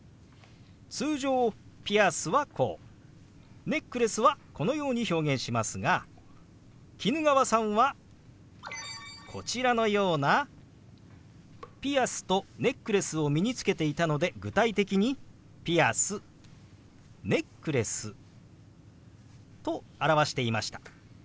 通常「ピアス」はこう「ネックレス」はこのように表現しますが衣川さんはこちらのようなピアスとネックレスを身につけていたので具体的に「ピアス」「ネックレス」と表していました。